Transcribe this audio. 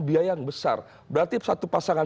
biaya yang besar berarti satu pasangan